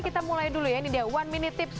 kita mulai dulu ya ini dia one minute tips